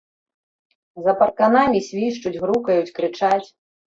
За парканамі свішчуць, грукаюць, крычаць.